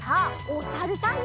おさるさん。